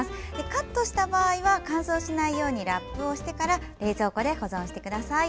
カットした場合は乾燥しないようにラップをしてから冷蔵庫で保存してください。